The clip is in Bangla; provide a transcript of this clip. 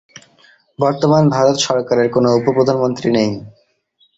বর্তমান ভারত সরকারের কোনো উপ-প্রধানমন্ত্রী নেই।